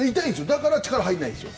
だから、力が入らないんですよ。